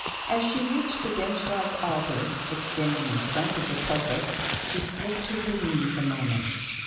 As she reached the bench like altar, extending in front of the pulpit, she slipped to her knees a moment.